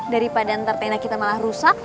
daripada ntar tenda kita malah rusak